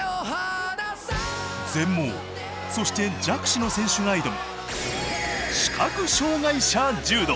全盲そして弱視の選手が挑む